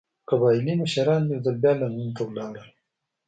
قبایلي مشران یو ځل بیا لندن ته لاړل.